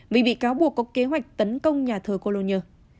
vì bị cáo buộc có kế hoạch tấn công nhà thờ colonier